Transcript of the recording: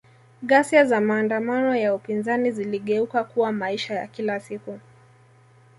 Ghasia za maandamano ya upinzani ziligeuka kuwa maisha ya kila siku